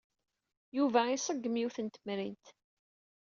Yuba iṣeggem yiwet n temrint.